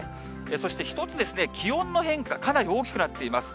そして、一つ、気温の変化、かなり大きくなっています。